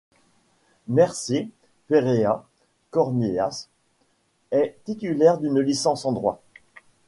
Mercè Perea Conillas est titulaire d'une licence en droit.